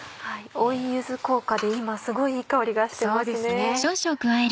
追い柚子効果で今すごいいい香りがしてますね。